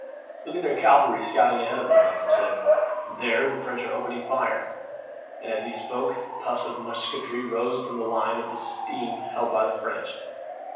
"Look at their cavalry scouting ahead of them," Malcolm said. "There, the French are opening fire!" And as he spoke puffs of musketry rose up from the line of the stream held by the French.